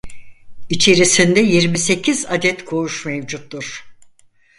İçerisinde yirmi sekiz adet koğuş mevcuttur.